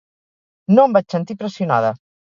No em vaig sentir pressionada